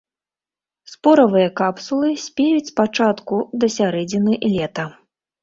Споравыя капсулы спеюць з пачатку да сярэдзіны лета.